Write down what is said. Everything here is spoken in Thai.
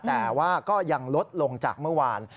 แต่ว่าก็ยังลดลงจากเมื่อวาน